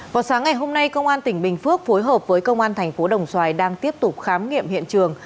vào sáng ngày hôm nay công an tỉnh bình phước phối hợp với công an thành phố đồng xoài đang tiếp tục khám nghiệm hiện trường